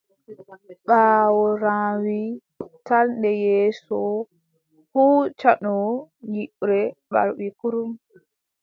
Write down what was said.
Ɓaawo ranwi tal nde yeeso huucanno nyiɓre ɓalwi kurum.